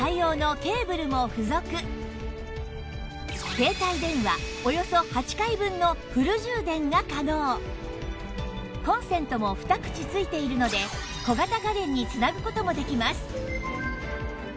携帯電話コンセントも２口付いているので小型家電に繋ぐ事もできます